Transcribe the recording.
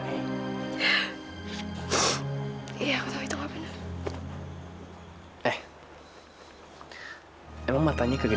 iya aku tau itu gak bener